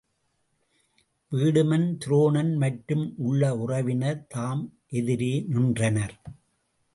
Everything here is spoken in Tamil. வீடுமன் துரோணன் மற்றும் உள்ள உறவினர் தாம் எதிரே நின்றனர்.